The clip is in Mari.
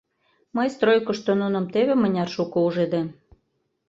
— Мый стройкышто нуным теве мыняр шуко ужедем.